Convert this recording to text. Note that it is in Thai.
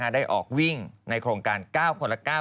ได้ออกวิ่งในโครงการ๙คนละ๙